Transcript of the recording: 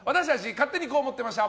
勝手にこう思ってました！